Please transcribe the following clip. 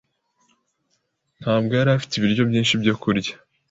ntabwo yari afite ibiryo byinshi byo kurya.